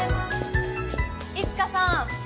いつかさん。